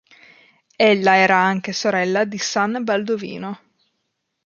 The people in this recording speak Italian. Ella era anche sorella di san Baldovino.